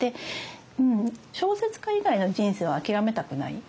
うん小説家以外の人生を諦めたくない。